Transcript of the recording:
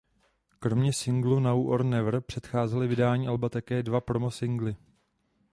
Kromě singlu "Now or Never" předcházely vydání alba také dva promo singly.